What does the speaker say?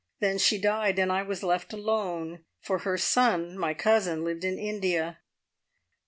Then she died and I was left alone, for her son, my cousin, lived in India.